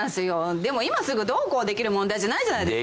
でも今すぐどうこうできる問題じゃないじゃないですか。